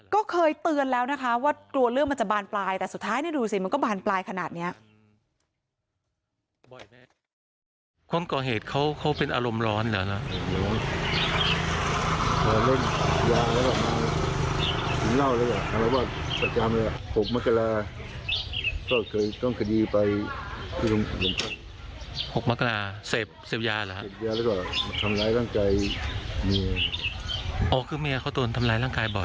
ก็เคยเตือนแล้วนะคะว่ากลัวเรื่องมันจะบานปลายแต่สุดท้ายดูสิมันก็บานปลายขนาดนี้